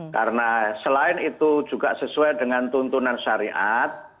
karena selain itu juga sesuai dengan tuntunan syariat